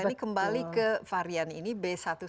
ini kembali ke varian ini b satu satu